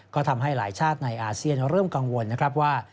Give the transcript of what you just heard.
ก็ทำให้หลายชาติในอาเซียนเริ่มกังวลนะครับว่า